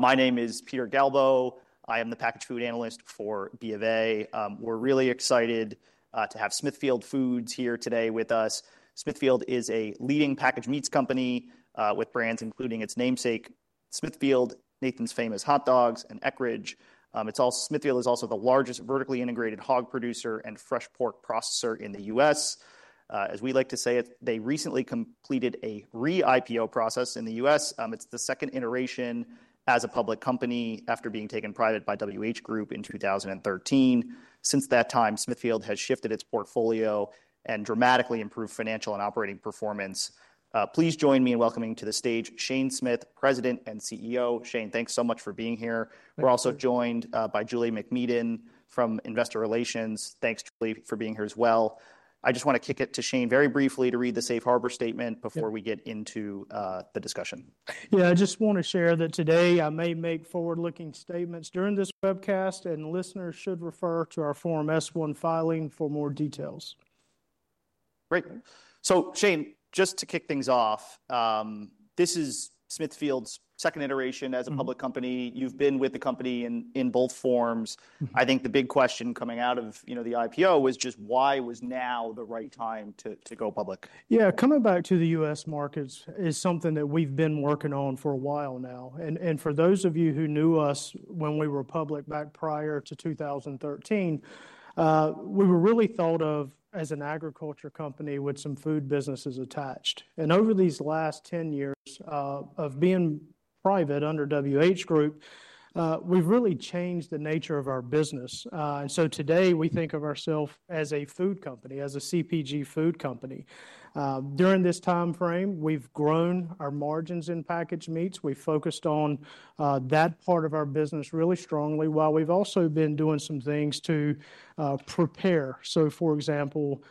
My name is Peter Galbo. I am the packaged food analyst for BofA. We're really excited to have Smithfield Foods here today with us. Smithfield is a leading packaged meats company with brands including its namesake, Smithfield, Nathan's Famous Hot Dogs, and Eckrich. Smithfield is also the largest vertically integrated hog producer and fresh pork processor in the U.S. As we like to say it, they recently completed a re-IPO process in the U.S. It's the second iteration as a public company after being taken private by WH Group in 2013. Since that time, Smithfield has shifted its portfolio and dramatically improved financial and operating performance. Please join me in welcoming to the stage Shane Smith, President and CEO. Shane, thanks so much for being here. We're also joined by Julie MacMedan from Investor Relations. Thanks, Julie, for being here as well. I just want to kick it to Shane very briefly to read the Safe Harbor Statement before we get into the discussion. Yeah, I just want to share that today I may make forward-looking statements during this webcast, and listeners should refer to our Form S-1 filing for more details. Great. Shane, just to kick things off, this is Smithfield's second iteration as a public company. You've been with the company in both forms. I think the big question coming out of the IPO was just why was now the right time to go public? Yeah, coming back to the U.S. markets is something that we've been working on for a while now. For those of you who knew us when we were public back prior to 2013, we were really thought of as an agriculture company with some food businesses attached. Over these last 10 years of being private under WH Group, we've really changed the nature of our business. Today we think of ourselves as a food company, as a CPG food company. During this timeframe, we've grown our margins in packaged meats. We focused on that part of our business really strongly, while we've also been doing some things to prepare. For example,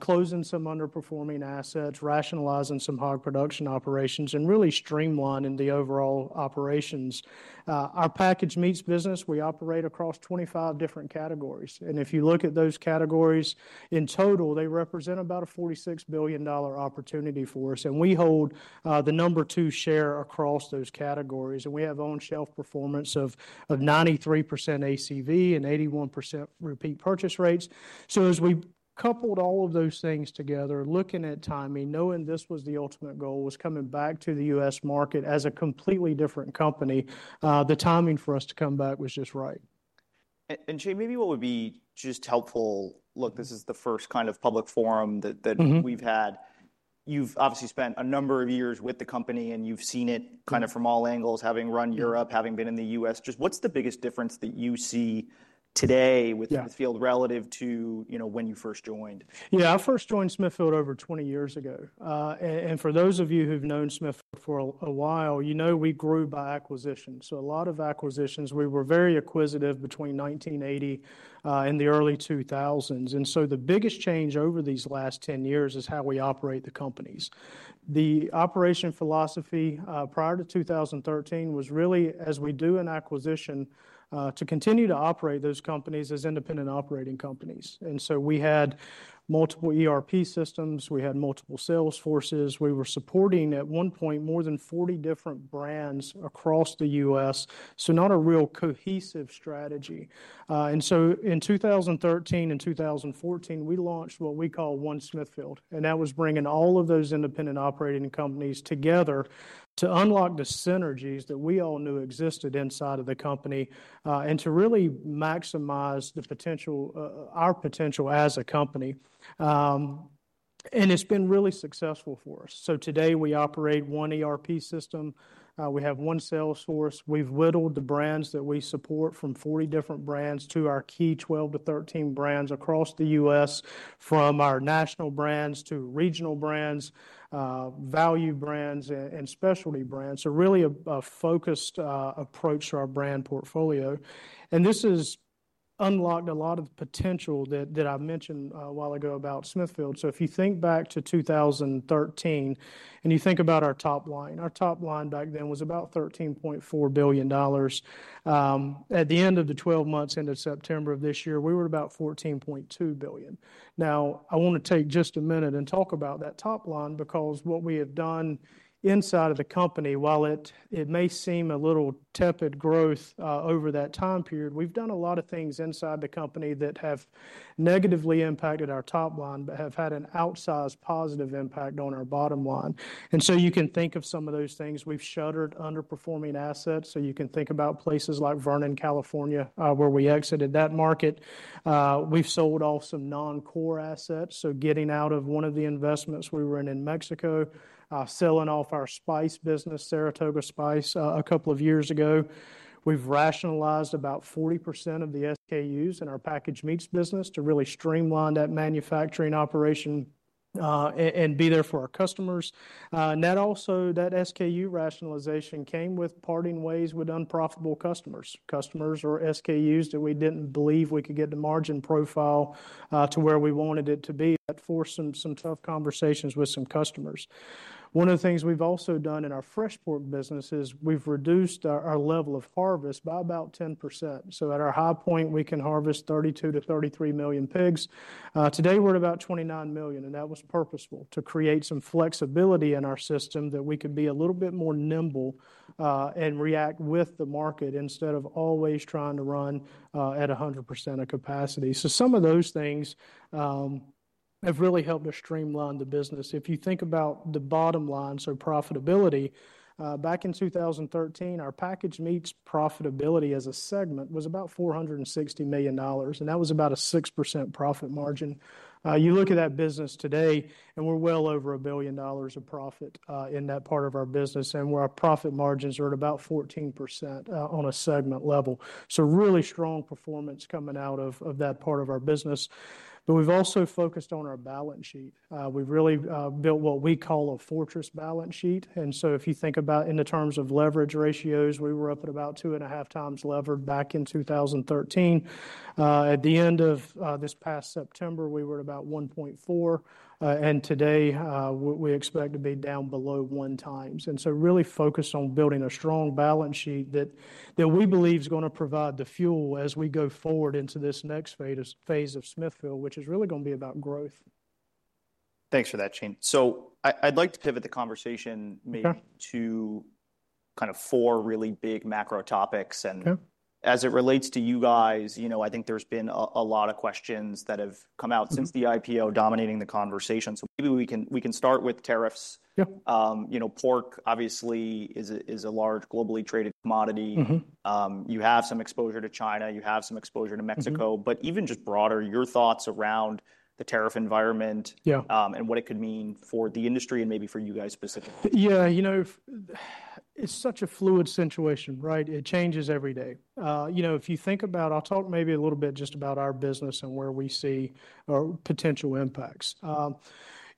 closing some underperforming assets, rationalizing some hog production operations, and really streamlining the overall operations. Our packaged meats business, we operate across 25 different categories. If you look at those categories in total, they represent about a $46 billion opportunity for us. We hold the number two share across those categories. We have on-shelf performance of 93% ACV and 81% repeat purchase rates. As we coupled all of those things together, looking at timing, knowing this was the ultimate goal, coming back to the U.S. market as a completely different company, the timing for us to come back was just right. Shane, maybe what would be just helpful, look, this is the first kind of public forum that we've had. You've obviously spent a number of years with the company, and you've seen it kind of from all angles, having run Europe, having been in the U.S. Just what's the biggest difference that you see today with Smithfield relative to when you first joined? Yeah, I first joined Smithfield over 20 years ago. For those of you who've known Smithfield for a while, you know we grew by acquisition. A lot of acquisitions, we were very acquisitive between 1980 and the early 2000s. The biggest change over these last 10 years is how we operate the companies. The operation philosophy prior to 2013 was really, as we do an acquisition, to continue to operate those companies as independent operating companies. We had multiple ERP systems, we had multiple sales forces, we were supporting at one point more than 40 different brands across the U.S. Not a real cohesive strategy. In 2013 and 2014, we launched what we call One Smithfield. That was bringing all of those independent operating companies together to unlock the synergies that we all knew existed inside of the company and to really maximize our potential as a company. It has been really successful for us. Today we operate one ERP system, we have one sales force, we have whittled the brands that we support from 40 different brands to our key 12 to 13 brands across the U.S., from our national brands to regional brands, value brands, and specialty brands. It is really a focused approach to our brand portfolio. This has unlocked a lot of the potential that I mentioned a while ago about Smithfield. If you think back to 2013 and you think about our top line, our top line back then was about $13.4 billion. At the end of the 12 months, end of September of this year, we were about $14.2 billion. I want to take just a minute and talk about that top line because what we have done inside of the company, while it may seem a little tepid growth over that time period, we've done a lot of things inside the company that have negatively impacted our top line, but have had an outsized positive impact on our bottom line. You can think of some of those things. We've shuttered underperforming assets. You can think about places like Vernon, California, where we exited that market. We've sold off some non-core assets. Getting out of one of the investments we were in in Mexico, selling off our spice business, Saratoga Spice, a couple of years ago. We've rationalized about 40% of the SKUs in our packaged meats business to really streamline that manufacturing operation and be there for our customers. That SKU rationalization came with parting ways with unprofitable customers, customers or SKUs that we didn't believe we could get the margin profile to where we wanted it to be. That forced some tough conversations with some customers. One of the things we've also done in our fresh pork business is we've reduced our level of harvest by about 10%. At our high point, we can harvest 32 to 33 million pigs. Today we're at about 29 million, and that was purposeful to create some flexibility in our system that we could be a little bit more nimble and react with the market instead of always trying to run at 100% of capacity. Some of those things have really helped us streamline the business. If you think about the bottom line, so profitability, back in 2013, our packaged meats profitability as a segment was about $460 million, and that was about a 6% profit margin. You look at that business today, and we're well over a billion dollars of profit in that part of our business, and our profit margins are at about 14% on a segment level. Really strong performance coming out of that part of our business. We have also focused on our balance sheet. We have really built what we call a fortress balance sheet. If you think about in the terms of leverage ratios, we were up at about two and a half times lever back in 2013. At the end of this past September, we were at about 1.4%, and today we expect to be down below one times. We are really focused on building a strong balance sheet that we believe is going to provide the fuel as we go forward into this next phase of Smithfield, which is really going to be about growth. Thanks for that, Shane. I'd like to pivot the conversation maybe to kind of four really big macro topics. As it relates to you guys, you know I think there's been a lot of questions that have come out since the IPO dominating the conversation. Maybe we can start with tariffs. Pork, obviously, is a large globally traded commodity. You have some exposure to China, you have some exposure to Mexico, but even just broader, your thoughts around the tariff environment and what it could mean for the industry and maybe for you guys specifically. Yeah, you know it's such a fluid situation, right? It changes every day. You know if you think about, I'll talk maybe a little bit just about our business and where we see our potential impacts. You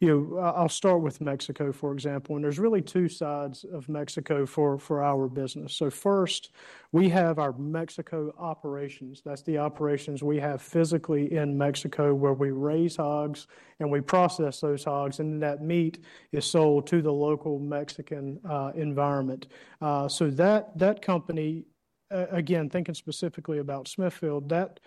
know I'll start with Mexico, for example, and there's really two sides of Mexico for our business. First, we have our Mexico operations. That's the operations we have physically in Mexico where we raise hogs and we process those hogs, and then that meat is sold to the local Mexican environment. That company, again, thinking specifically about Smithfield, that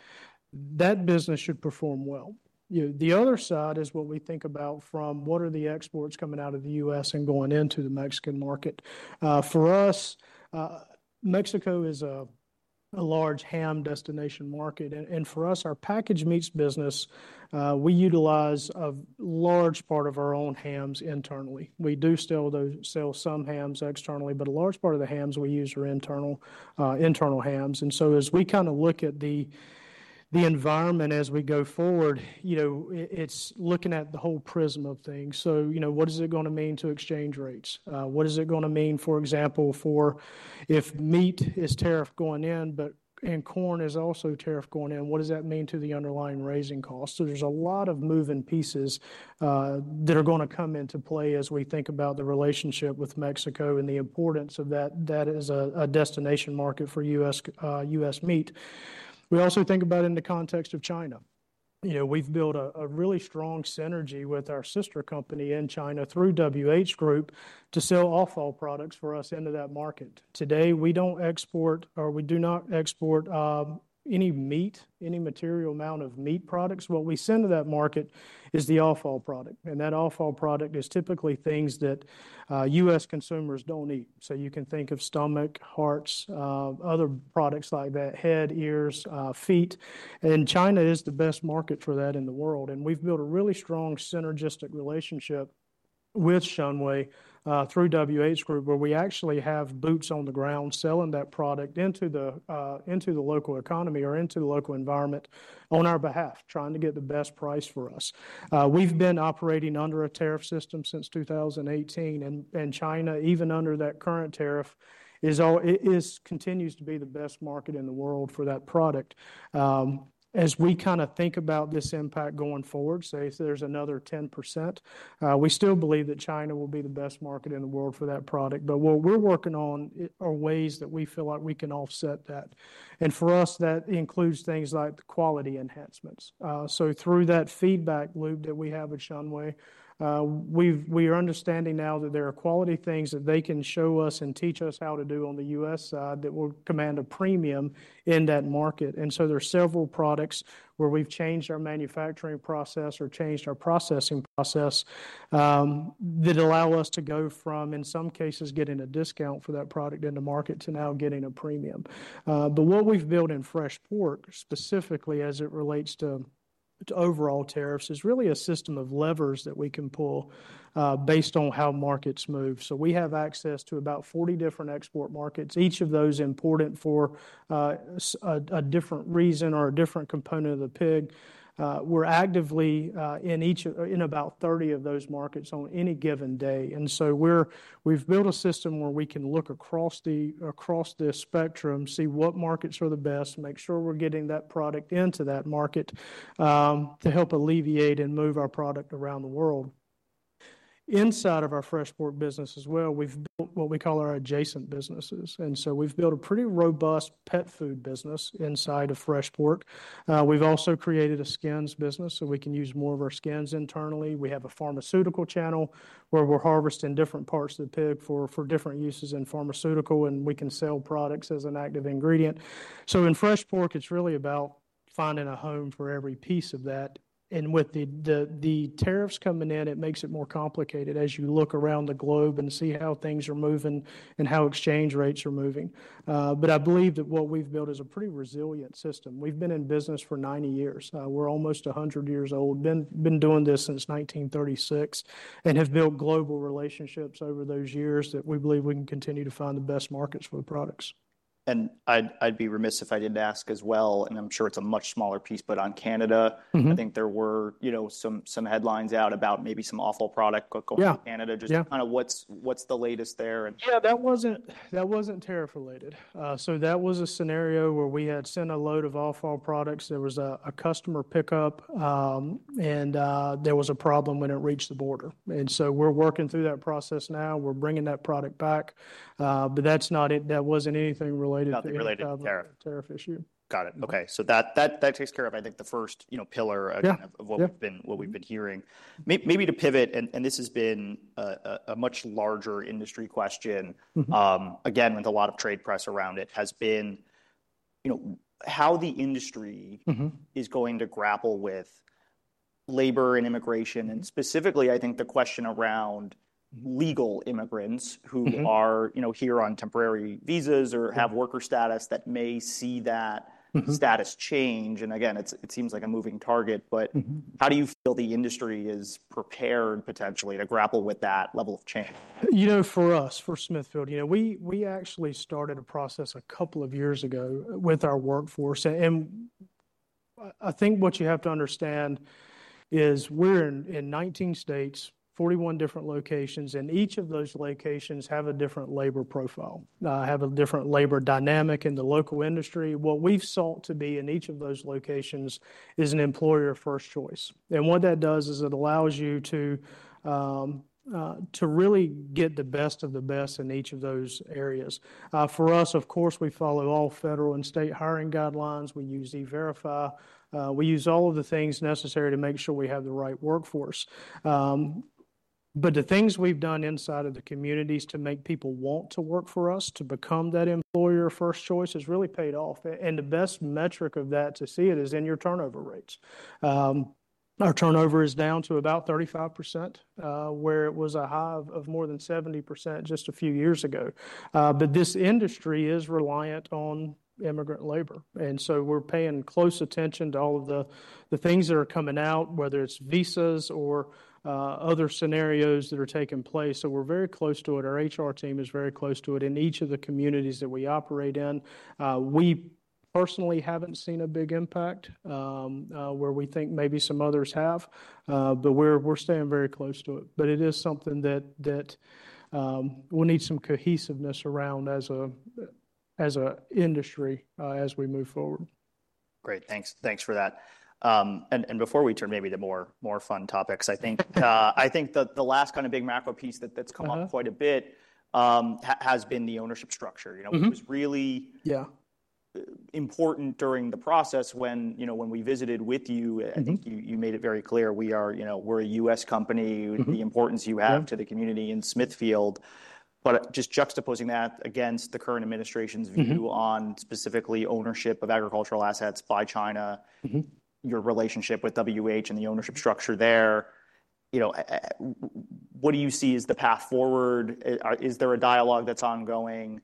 business should perform well. The other side is what we think about from what are the exports coming out of the U.S. and going into the Mexican market. For us, Mexico is a large ham destination market. For us, our packaged meats business, we utilize a large part of our own hams internally. We do still sell some hams externally, but a large part of the hams we use are internal hams. As we kind of look at the environment as we go forward, you know it's looking at the whole prism of things. You know what is it going to mean to exchange rates? What is it going to mean, for example, for if meat is tariff going in, but corn is also tariff going in, what does that mean to the underlying raising costs? There are a lot of moving pieces that are going to come into play as we think about the relationship with Mexico and the importance of that as a destination market for U.S. meat. We also think about it in the context of China. You know we've built a really strong synergy with our sister company in China through WH Group to sell offal products for us into that market. Today, we don't export or we do not export any meat, any material amount of meat products. What we send to that market is the offal product. That offal product is typically things that U.S. consumers don't eat. You can think of stomach, hearts, other products like that, head, ears, feet. China is the best market for that in the world. We've built a really strong synergistic relationship with Shuanghui through WH Group, where we actually have boots on the ground selling that product into the local economy or into the local environment on our behalf, trying to get the best price for us. We've been operating under a tariff system since 2018, and China, even under that current tariff, continues to be the best market in the world for that product. As we kind of think about this impact going forward, say if there's another 10%, we still believe that China will be the best market in the world for that product. What we're working on are ways that we feel like we can offset that. For us, that includes things like quality enhancements. Through that feedback loop that we have at Shuanghui, we are understanding now that there are quality things that they can show us and teach us how to do on the U.S. side that will command a premium in that market. There are several products where we've changed our manufacturing process or changed our processing process that allow us to go from, in some cases, getting a discount for that product in the market to now getting a premium. What we've built in fresh pork, specifically as it relates to overall tariffs, is really a system of levers that we can pull based on how markets move. We have access to about 40 different export markets, each of those important for a different reason or a different component of the pig. We're actively in about 30 of those markets on any given day. We've built a system where we can look across the spectrum, see what markets are the best, make sure we're getting that product into that market to help alleviate and move our product around the world. Inside of our fresh pork business as well, we've built what we call our adjacent businesses. We've built a pretty robust pet food business inside of fresh pork. We've also created a skins business so we can use more of our skins internally. We have a pharmaceutical channel where we're harvesting different parts of the pig for different uses in pharmaceutical, and we can sell products as an active ingredient. In fresh pork, it's really about finding a home for every piece of that. With the tariffs coming in, it makes it more complicated as you look around the globe and see how things are moving and how exchange rates are moving. I believe that what we've built is a pretty resilient system. We've been in business for 90 years. We're almost 100 years old, been doing this since 1936, and have built global relationships over those years that we believe we can continue to find the best markets for the products. I'd be remiss if I didn't ask as well, and I'm sure it's a much smaller piece, but on Canada, I think there were some headlines out about maybe some offal product going to Canada. Just kind of what's the latest there? Yeah, that wasn't tariff related. That was a scenario where we had sent a load of offal products. There was a customer pickup, and there was a problem when it reached the border. We're working through that process now. We're bringing that product back, but that wasn't anything related to the tariff issue. Got it. Okay. That takes care of, I think, the first pillar of what we've been hearing. Maybe to pivot, this has been a much larger industry question, again, with a lot of trade press around it, has been how the industry is going to grapple with labor and immigration. Specifically, I think the question around legal immigrants who are here on temporary visas or have worker status that may see that status change. Again, it seems like a moving target, but how do you feel the industry is prepared potentially to grapple with that level of change? You know, for us, for Smithfield, you know we actually started a process a couple of years ago with our workforce. I think what you have to understand is we're in 19 states, 41 different locations, and each of those locations have a different labor profile, have a different labor dynamic in the local industry. What we've sought to be in each of those locations is an employer of first choice. What that does is it allows you to really get the best of the best in each of those areas. For us, of course, we follow all federal and state hiring guidelines. We use E-Verify. We use all of the things necessary to make sure we have the right workforce. The things we've done inside of the communities to make people want to work for us, to become that employer of first choice, has really paid off. The best metric of that to see it is in your turnover rates. Our turnover is down to about 35%, where it was a high of more than 70% just a few years ago. This industry is reliant on immigrant labor. We are paying close attention to all of the things that are coming out, whether it's visas or other scenarios that are taking place. We are very close to it. Our HR team is very close to it. In each of the communities that we operate in, we personally haven't seen a big impact where we think maybe some others have, but we are staying very close to it. It is something that we'll need some cohesiveness around as an industry as we move forward. Great. Thanks for that. Before we turn maybe to more fun topics, I think the last kind of big macro piece that's come up quite a bit has been the ownership structure. It was really important during the process when we visited with you. I think you made it very clear we're a U.S. company, the importance you have to the community in Smithfield. Just juxtaposing that against the current administration's view on specifically ownership of agricultural assets by China, your relationship with WH and the ownership structure there, what do you see as the path forward? Is there a dialogue that's ongoing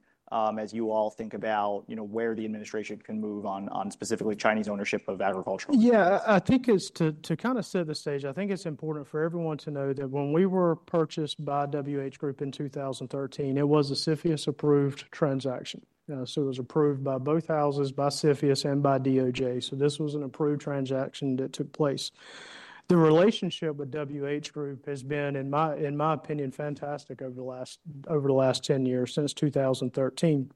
as you all think about where the administration can move on specifically Chinese ownership of agricultural? Yeah, I think to kind of set the stage, I think it's important for everyone to know that when we were purchased by WH Group in 2013, it was a CFIUS-approved transaction. It was approved by both houses, by CFIUS and by DOJ. This was an approved transaction that took place. The relationship with WH Group has been, in my opinion, fantastic over the last 10 years. Since 2013,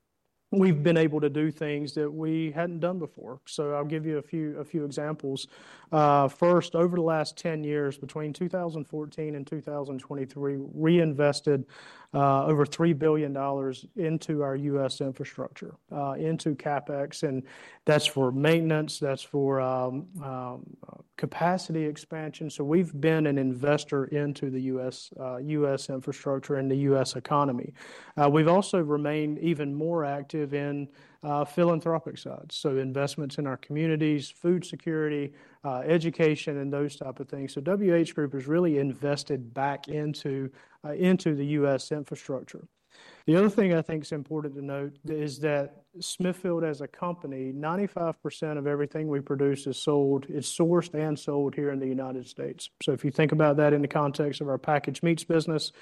we've been able to do things that we hadn't done before. I'll give you a few examples. First, over the last 10 years, between 2014 and 2023, we reinvested over $3 billion into our US infrastructure, into CapEx. That's for maintenance. That's for capacity expansion. We've been an investor into the US infrastructure and the US economy. We've also remained even more active in philanthropic sides. Investments in our communities, food security, education, and those types of things. WH Group has really invested back into the U.S. infrastructure. The other thing I think is important to note is that Smithfield as a company, 95% of everything we produce is sourced and sold here in the United States. If you think about that in the context of our packaged meats business,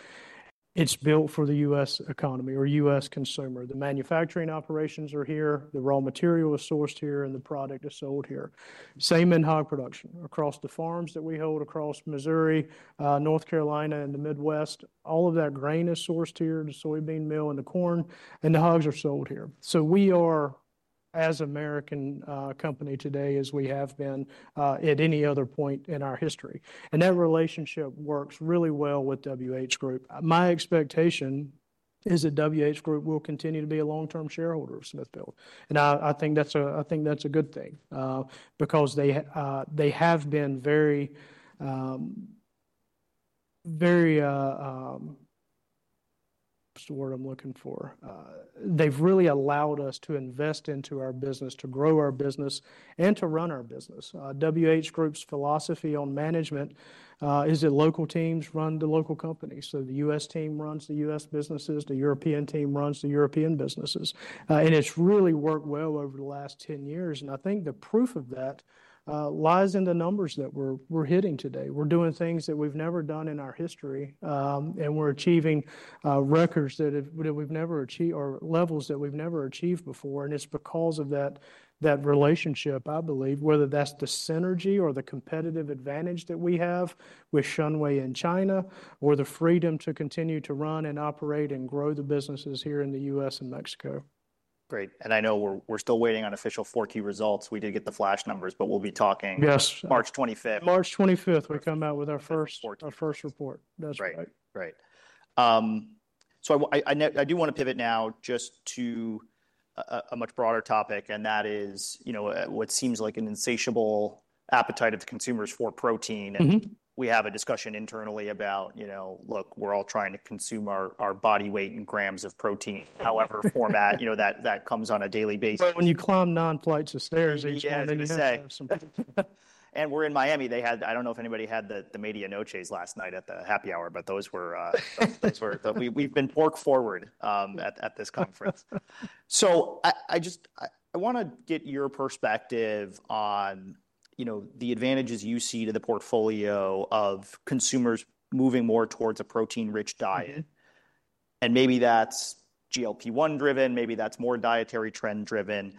it's built for the U.S. economy or U.S. consumer. The manufacturing operations are here. The raw material is sourced here, and the product is sold here. Same in hog production across the farms that we hold across Missouri, North Carolina, and the Midwest. All of that grain is sourced here, the soybean meal and the corn, and the hogs are sold here. We are as an American company today as we have been at any other point in our history. That relationship works really well with WH Group. My expectation is that WH Group will continue to be a long-term shareholder of Smithfield. I think that's a good thing because they have been very, what's the word I'm looking for? They've really allowed us to invest into our business, to grow our business, and to run our business. WH Group's philosophy on management is that local teams run the local companies. The US team runs the US businesses. The European team runs the European businesses. It has really worked well over the last 10 years. I think the proof of that lies in the numbers that we're hitting today. We're doing things that we've never done in our history, and we're achieving records that we've never achieved or levels that we've never achieved before. It is because of that relationship, I believe, whether that is the synergy or the competitive advantage that we have with WH Group in China or the freedom to continue to run and operate and grow the businesses here in the U.S. and Mexico. Great. I know we're still waiting on official fourth quarter results. We did get the flash numbers, but we'll be talking March 25th. March 25th, we come out with our first report. That's right. Great. Great. I do want to pivot now just to a much broader topic, and that is what seems like an insatiable appetite of the consumers for protein. We have a discussion internally about, look, we're all trying to consume our body weight in grams of protein, however format that comes on a daily basis. When you climb non-flights of stairs, each time they have something. We're in Miami. I don't know if anybody had the medianoches last night at the happy hour, but those were—we've been pork forward at this conference. I want to get your perspective on the advantages you see to the portfolio of consumers moving more towards a protein-rich diet. Maybe that's GLP-1 driven. Maybe that's more dietary trend driven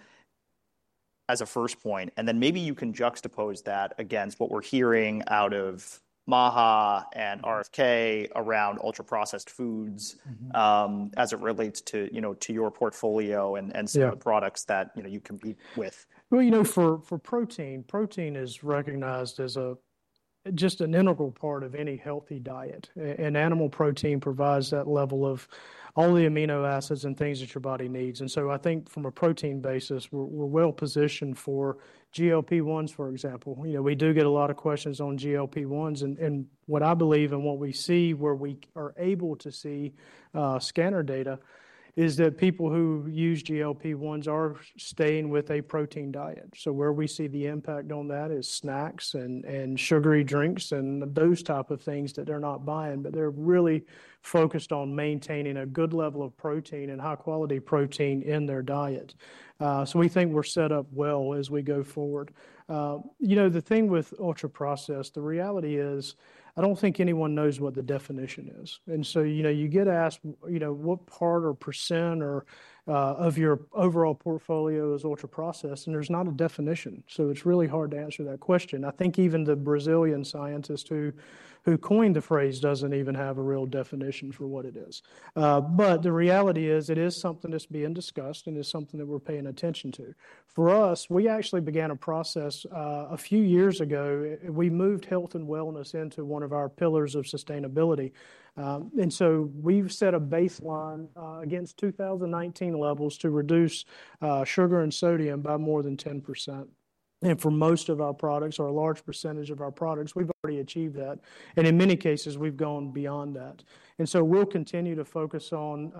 as a first point. Maybe you can juxtapose that against what we're hearing out of MAHA and RFK around ultra-processed foods as it relates to your portfolio and some of the products that you compete with. For protein, protein is recognized as just an integral part of any healthy diet. And animal protein provides that level of all the amino acids and things that your body needs. I think from a protein basis, we're well positioned for GLP-1s, for example. We do get a lot of questions on GLP-1s. What I believe and what we see, where we are able to see scanner data, is that people who use GLP-1s are staying with a protein diet. Where we see the impact on that is snacks and sugary drinks and those types of things that they're not buying, but they're really focused on maintaining a good level of protein and high-quality protein in their diet. We think we're set up well as we go forward. You know, the thing with ultra-processed, the reality is I don't think anyone knows what the definition is. You get asked, what part or percent of your overall portfolio is ultra-processed? There is not a definition. It is really hard to answer that question. I think even the Brazilian scientist who coined the phrase does not even have a real definition for what it is. The reality is it is something that is being discussed and is something that we are paying attention to. For us, we actually began a process a few years ago. We moved health and wellness into one of our pillars of sustainability. We have set a baseline against 2019 levels to reduce sugar and sodium by more than 10%. For most of our products, or a large percentage of our products, we have already achieved that. In many cases, we have gone beyond that. We will continue to focus on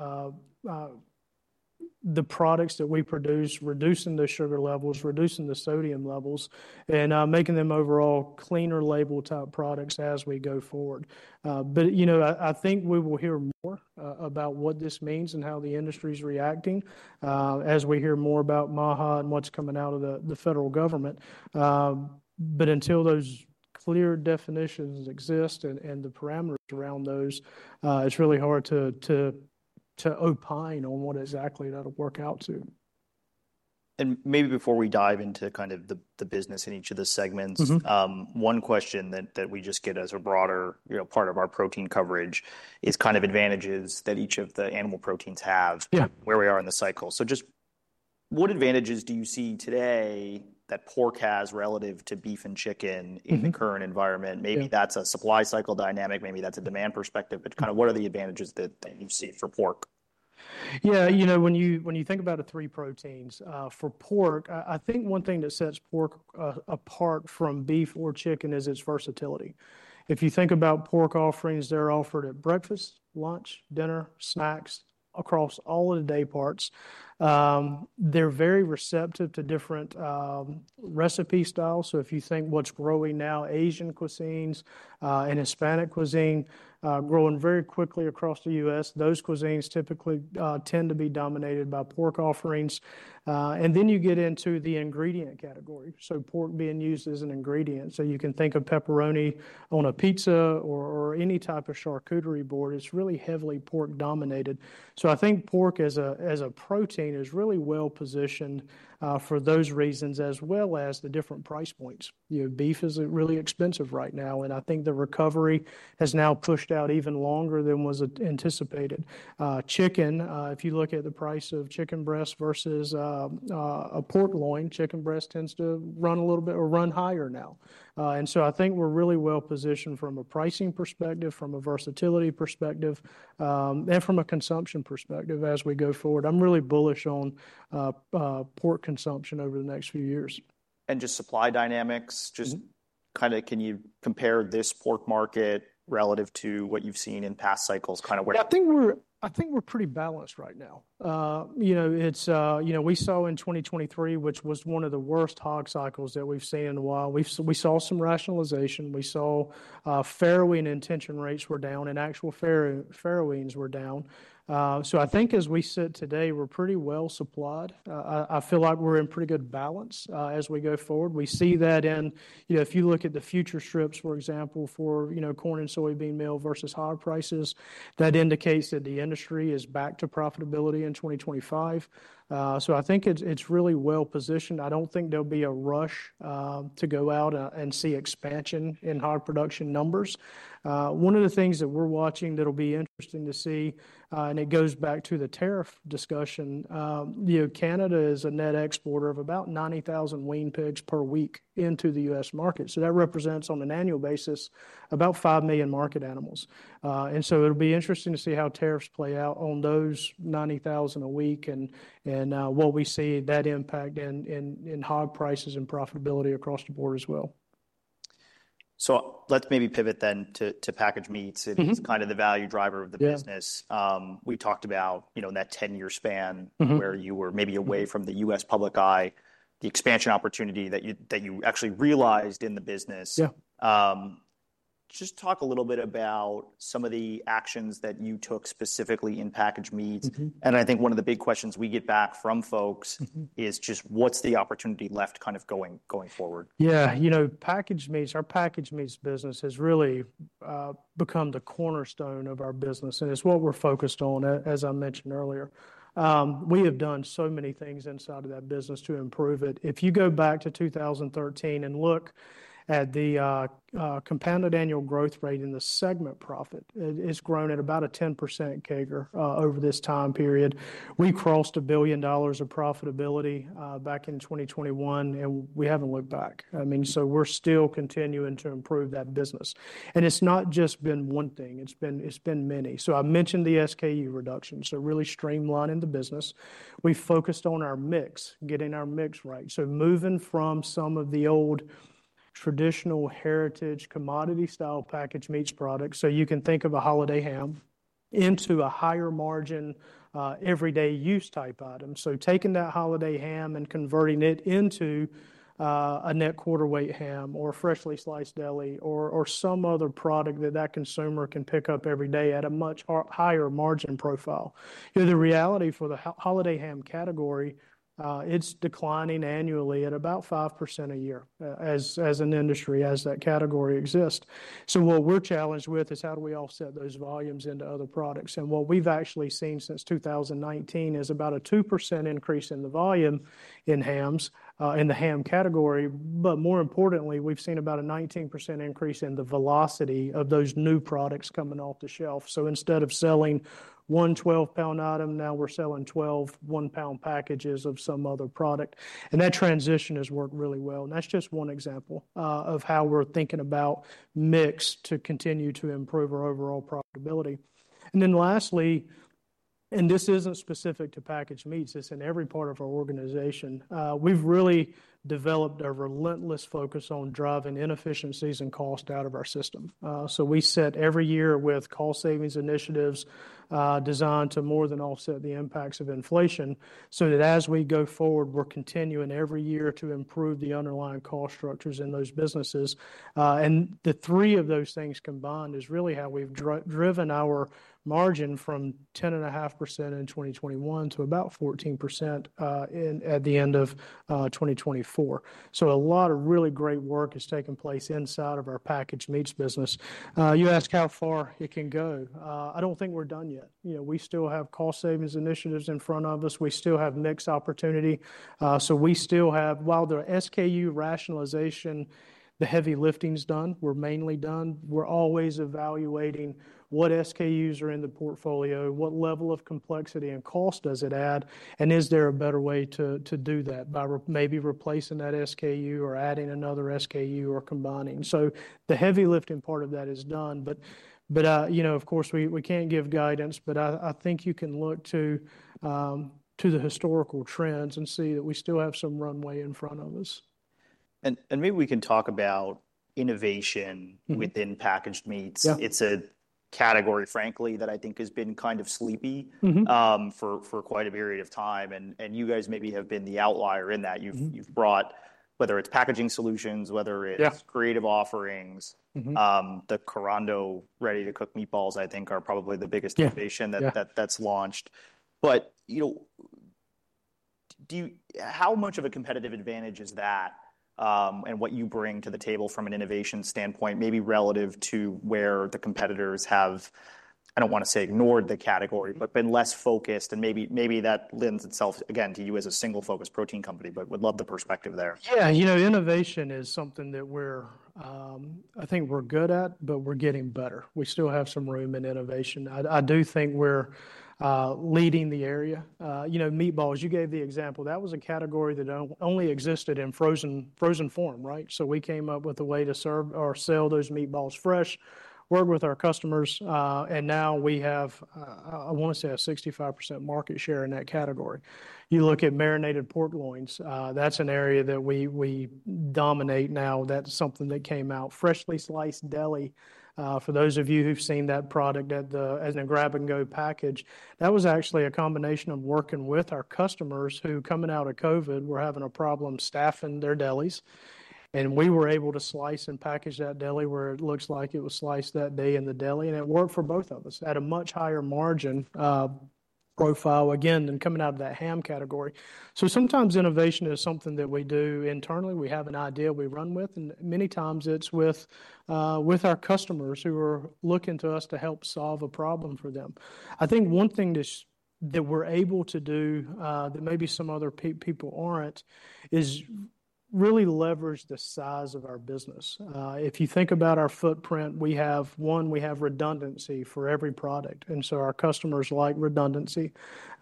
the products that we produce, reducing the sugar levels, reducing the sodium levels, and making them overall cleaner label type products as we go forward. I think we will hear more about what this means and how the industry is reacting as we hear more about MAHA and what is coming out of the federal government. Until those clear definitions exist and the parameters around those, it is really hard to opine on what exactly that will work out to. Maybe before we dive into kind of the business in each of the segments, one question that we just get as a broader part of our protein coverage is kind of advantages that each of the animal proteins have where we are in the cycle. Just what advantages do you see today that pork has relative to beef and chicken in the current environment? Maybe that is a supply cycle dynamic. Maybe that is a demand perspective. Kind of what are the advantages that you see for pork? Yeah, you know, when you think about the three proteins for pork, I think one thing that sets pork apart from beef or chicken is its versatility. If you think about pork offerings, they're offered at breakfast, lunch, dinner, snacks, across all of the day parts. They're very receptive to different recipe styles. If you think what's growing now, Asian cuisines and Hispanic cuisine growing very quickly across the U.S., those cuisines typically tend to be dominated by pork offerings. You get into the ingredient category, so pork being used as an ingredient. You can think of pepperoni on a pizza or any type of charcuterie board. It's really heavily pork dominated. I think pork as a protein is really well positioned for those reasons as well as the different price points. Beef is really expensive right now. I think the recovery has now pushed out even longer than was anticipated. Chicken, if you look at the price of chicken breast versus a pork loin, chicken breast tends to run a little bit or run higher now. I think we're really well positioned from a pricing perspective, from a versatility perspective, and from a consumption perspective as we go forward. I'm really bullish on pork consumption over the next few years. Just supply dynamics, just kind of can you compare this pork market relative to what you've seen in past cycles? I think we're pretty balanced right now. We saw in 2023, which was one of the worst hog cycles that we've seen in a while, we saw some rationalization. We saw farrow wean intention rates were down and actual farrow weans were down. I think as we sit today, we're pretty well supplied. I feel like we're in pretty good balance as we go forward. We see that in, if you look at the future strips, for example, for corn and soybean meal versus higher prices, that indicates that the industry is back to profitability in 2025. I think it's really well positioned. I don't think there'll be a rush to go out and see expansion in hog production numbers. One of the things that we're watching that'll be interesting to see, and it goes back to the tariff discussion, Canada is a net exporter of about 90,000 wean pigs per week into the U.S. market. That represents on an annual basis about 5 million market animals. It will be interesting to see how tariffs play out on those 90,000 a week and what we see that impact in hog prices and profitability across the board as well. Let's maybe pivot then to packaged meats. It's kind of the value driver of the business. We talked about that 10-year span where you were maybe away from the U.S. public eye, the expansion opportunity that you actually realized in the business. Just talk a little bit about some of the actions that you took specifically in packaged meats. I think one of the big questions we get back from folks is just what's the opportunity left kind of going forward? Yeah, you know, packaged meats, our packaged meats business has really become the cornerstone of our business. It's what we're focused on, as I mentioned earlier. We have done so many things inside of that business to improve it. If you go back to 2013 and look at the compounded annual growth rate in the segment profit, it's grown at about a 10% CAGR over this time period. We crossed a billion dollars of profitability back in 2021, and we haven't looked back. I mean, we're still continuing to improve that business. It's not just been one thing. It's been many. I mentioned the SKU reductions, so really streamlining the business. We focused on our mix, getting our mix right. Moving from some of the old traditional heritage commodity-style packaged meats products, you can think of a holiday ham, into a higher margin everyday use type item. Taking that holiday ham and converting it into a net quarter weight ham or a freshly sliced deli or some other product that the consumer can pick up every day at a much higher margin profile. The reality for the holiday ham category is it's declining annually at about 5% a year as an industry as that category exists. What we're challenged with is how do we offset those volumes into other products. What we've actually seen since 2019 is about a 2% increase in the volume in hams in the ham category. More importantly, we've seen about a 19% increase in the velocity of those new products coming off the shelf. Instead of selling one 12-pound item, now we're selling 12 one-pound packages of some other product. That transition has worked really well. That is just one example of how we're thinking about mix to continue to improve our overall profitability. Lastly, and this is not specific to packaged meats, it is in every part of our organization, we have really developed a relentless focus on driving inefficiencies and cost out of our system. We set every year with cost savings initiatives designed to more than offset the impacts of inflation so that as we go forward, we're continuing every year to improve the underlying cost structures in those businesses. The three of those things combined is really how we've driven our margin from 10.5% in 2021 to about 14% at the end of 2024. A lot of really great work is taking place inside of our packaged meats business. You ask how far it can go. I do not think we are done yet. We still have cost savings initiatives in front of us. We still have mixed opportunity. We still have, while the SKU rationalization, the heavy lifting is done, we are mainly done. We are always evaluating what SKUs are in the portfolio, what level of complexity and cost does it add, and is there a better way to do that by maybe replacing that SKU or adding another SKU or combining. The heavy lifting part of that is done. Of course, we cannot give guidance, but I think you can look to the historical trends and see that we still have some runway in front of us. Maybe we can talk about innovation within packaged meats. It's a category, frankly, that I think has been kind of sleepy for quite a period of time. You guys maybe have been the outlier in that. You've brought, whether it's packaging solutions, whether it's creative offerings, the Carando ready-to-cook meatballs, I think are probably the biggest innovation that's launched. How much of a competitive advantage is that and what you bring to the table from an innovation standpoint, maybe relative to where the competitors have, I don't want to say ignored the category, but been less focused. Maybe that lends itself again to you as a single-focused protein company, but would love the perspective there. Yeah, you know, innovation is something that I think we're good at, but we're getting better. We still have some room in innovation. I do think we're leading the area. Meatballs, you gave the example. That was a category that only existed in frozen form, right? We came up with a way to serve or sell those meatballs fresh, work with our customers, and now we have, I want to say, a 65% market share in that category. You look at marinated pork loins, that's an area that we dominate now. That's something that came out, freshly sliced deli. For those of you who've seen that product as a grab-and-go package, that was actually a combination of working with our customers who, coming out of COVID, were having a problem staffing their delis. We were able to slice and package that deli where it looks like it was sliced that day in the deli. It worked for both of us at a much higher margin profile, again, than coming out of that ham category. Sometimes innovation is something that we do internally. We have an idea we run with. Many times it's with our customers who are looking to us to help solve a problem for them. I think one thing that we're able to do that maybe some other people aren't is really leverage the size of our business. If you think about our footprint, we have one, we have redundancy for every product. Our customers like redundancy.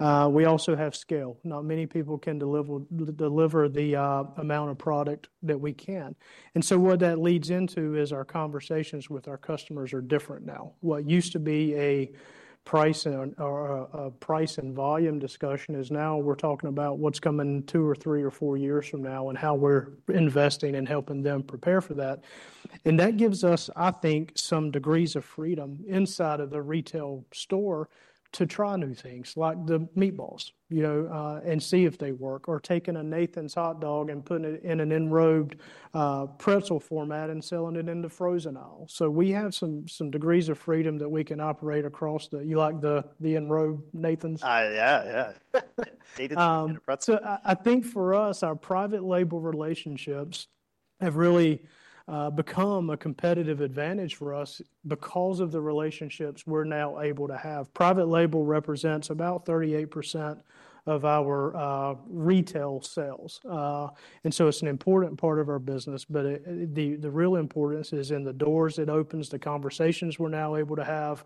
We also have scale. Not many people can deliver the amount of product that we can. What that leads into is our conversations with our customers are different now. What used to be a price and volume discussion is now we're talking about what's coming two or three or four years from now and how we're investing and helping them prepare for that. That gives us, I think, some degrees of freedom inside of the retail store to try new things like the meatballs and see if they work or taking a Nathan's hot dog and putting it in an enrobed pretzel format and selling it into Frozen Isle. We have some degrees of freedom that we can operate across the, you like the enrobed Nathan's? Yeah, yeah. Nathan's enrobed pretzels. I think for us, our private label relationships have really become a competitive advantage for us because of the relationships we're now able to have. Private label represents about 38% of our retail sales. It is an important part of our business, but the real importance is in the doors it opens, the conversations we're now able to have,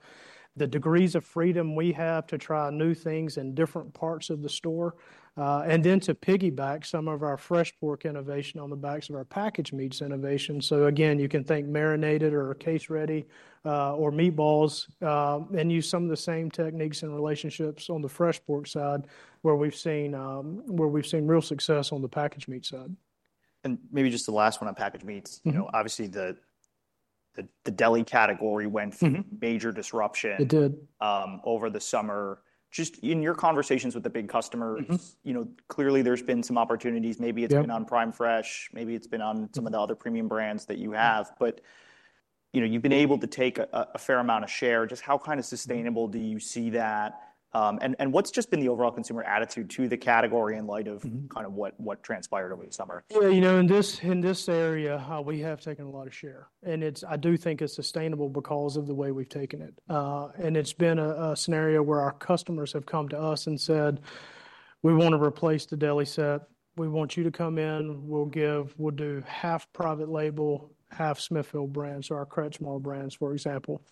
the degrees of freedom we have to try new things in different parts of the store, and then to piggyback some of our fresh pork innovation on the backs of our packaged meats innovation. You can think marinated or case ready or meatballs and use some of the same techniques and relationships on the fresh pork side where we've seen real success on the packaged meats side. Maybe just the last one on packaged meats. Obviously, the deli category went through major disruption. It did. Over the summer. Just in your conversations with the big customers, clearly there's been some opportunities. Maybe it's been on Prime Fresh. Maybe it's been on some of the other premium brands that you have. But you've been able to take a fair amount of share. Just how kind of sustainable do you see that? What's just been the overall consumer attitude to the category in light of kind of what transpired over the summer? Yeah, you know, in this area, we have taken a lot of share. I do think it's sustainable because of the way we've taken it. It's been a scenario where our customers have come to us and said, "We want to replace the deli set. We want you to come in. We'll do half private label, half Smithfield brands," or our Kretschmar brands, for example.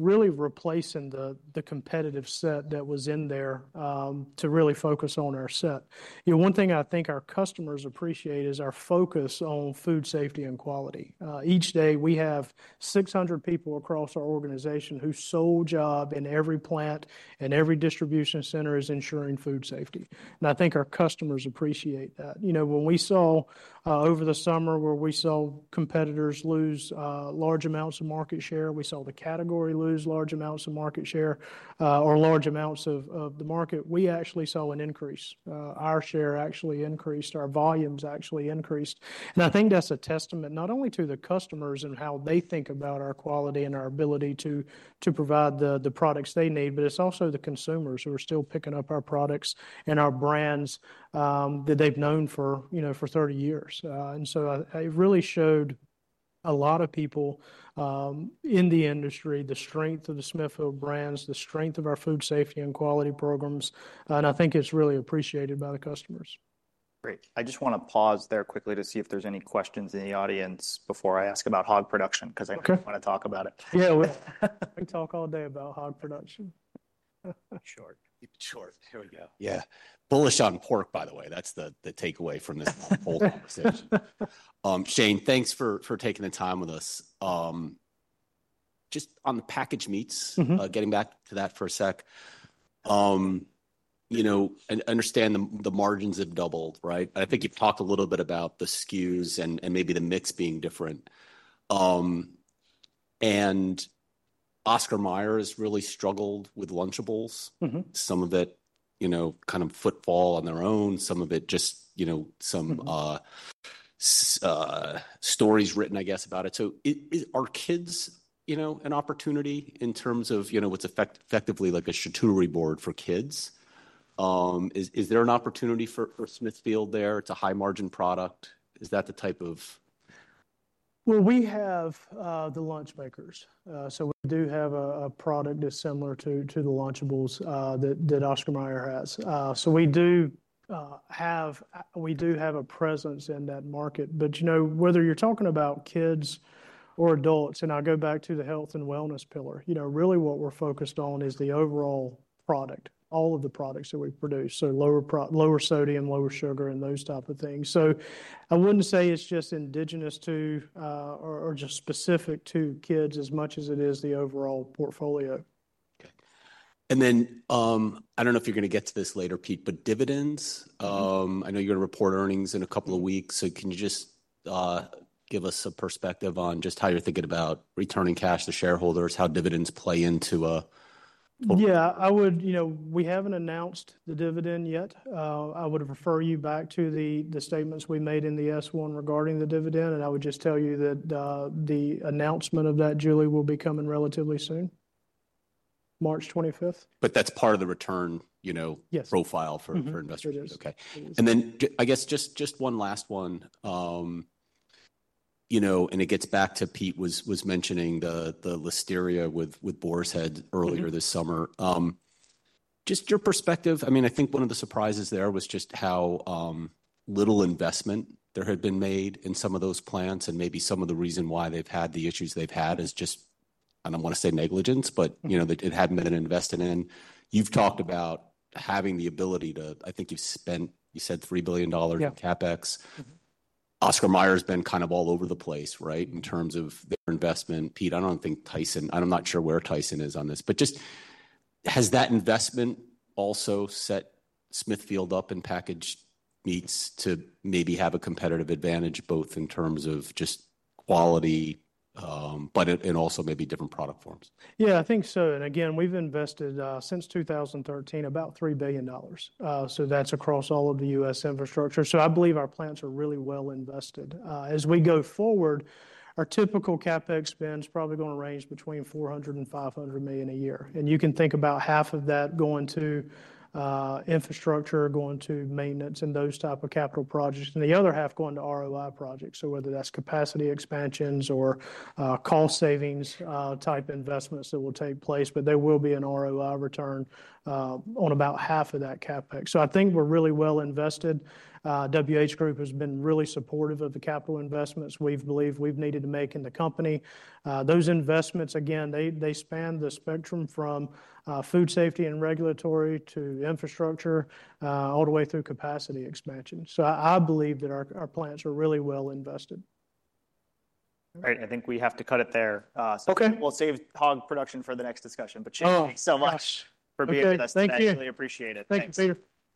Really replacing the competitive set that was in there to really focus on our set. One thing I think our customers appreciate is our focus on food safety and quality. Each day we have 600 people across our organization whose sole job in every plant and every distribution center is ensuring food safety. I think our customers appreciate that. When we saw over the summer where we saw competitors lose large amounts of market share, we saw the category lose large amounts of market share or large amounts of the market, we actually saw an increase. Our share actually increased. Our volumes actually increased. I think that's a testament not only to the customers and how they think about our quality and our ability to provide the products they need, but it's also the consumers who are still picking up our products and our brands that they've known for 30 years. It really showed a lot of people in the industry the strength of the Smithfield brands, the strength of our food safety and quality programs. I think it's really appreciated by the customers. Great. I just want to pause there quickly to see if there's any questions in the audience before I ask about hog production because I want to talk about it. Yeah, we talk all day about hog production. Short. Short. There we go. Yeah. Bullish on pork, by the way. That's the takeaway from this whole conversation. Shane, thanks for taking the time with us. Just on the packaged meats, getting back to that for a sec, I understand the margins have doubled, right? I think you've talked a little bit about the SKUs and maybe the mix being different. And Oscar Mayer has really struggled with Lunchables, some of it kind of footfall on their own, some of it just some stories written, I guess, about it. So are kids an opportunity in terms of what's effectively like a charcuterie board for kids? Is there an opportunity for Smithfield there? It's a high-margin product. Is that the type of? We have the Lunchbakers. So we do have a product that's similar to the Lunchables that Oscar Mayer has. We do have a presence in that market. But you know whether you're talking about kids or adults, and I'll go back to the health and wellness pillar, really what we're focused on is the overall product, all of the products that we produce, so lower sodium, lower sugar, and those types of things. I wouldn't say it's just indigenous to or just specific to kids as much as it is the overall portfolio. I do not know if you are going to get to this later, Pete, but dividends, I know you are going to report earnings in a couple of weeks. Can you just give us a perspective on just how you are thinking about returning cash to shareholders, how dividends play into it? Yeah, I would, you know we haven't announced the dividend yet. I would refer you back to the statements we made in the S1 regarding the dividend. I would just tell you that the announcement of that, Julie, will be coming relatively soon, March 25th. That's part of the return profile for investors. Yes, it is. Okay. I guess just one last one, and it gets back to Pete was mentioning the Listeria with Boar's Head earlier this summer. Just your perspective, I mean, I think one of the surprises there was just how little investment there had been made in some of those plants. Maybe some of the reason why they've had the issues they've had is just, I don't want to say negligence, but it hadn't been invested in. You've talked about having the ability to, I think you spent, you said $3 billion in CapEx. Oscar Mayer has been kind of all over the place, right, in terms of their investment. Pete, I don't think Tyson, I'm not sure where Tyson is on this, but just has that investment also set Smithfield up in packaged meats to maybe have a competitive advantage both in terms of just quality, but in also maybe different product forms? Yeah, I think so. Again, we've invested since 2013 about $3 billion. That's across all of the U.S. infrastructure. I believe our plants are really well invested. As we go forward, our typical CapEx spend is probably going to range between $400 million to $500 million a year. You can think about half of that going to infrastructure, going to maintenance and those types of capital projects, and the other half going to ROI projects. Whether that's capacity expansions or cost savings type investments that will take place, there will be an ROI return on about half of that CapEx. I think we're really well invested. WH Group has been really supportive of the capital investments we believe we've needed to make in the company. Those investments, again, they span the spectrum from food safety and regulatory to infrastructure all the way through capacity expansion. I believe that our plants are really well invested. All right. I think we have to cut it there. We'll save hog production for the next discussion. Shane, thanks so much for being with us today. Thank you. I really appreciate it. Thank you, Peter.